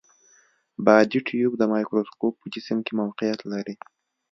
بادي ټیوب د مایکروسکوپ په جسم کې موقعیت لري.